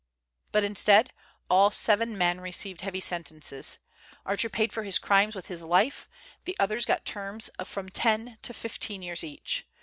But instead all seven men received heavy sentences. Archer paid for his crimes with his life, the others got terms of from ten to fifteen years each.